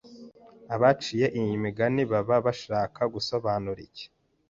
abaciye iyi migani baba bashaka gusobanura iki